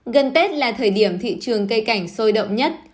gần tết là thời điểm thị trường cây cảnh sôi động nhất